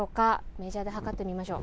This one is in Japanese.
メジャーで測ってみましょう。